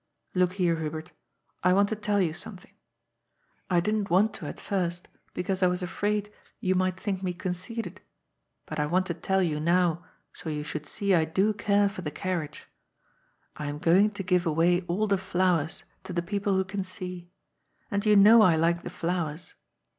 Look here, Hubert, I want to tell you something — I didn't want to at first, because I was afraid you might think me conceited, but I want to tell you now so you should see I do care for the carriage. I am going to give away all the flowers to the people who can see. And you know I like the flowers.